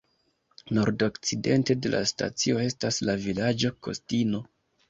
Nordokcidente de la stacio estas la vilaĝo Kostino.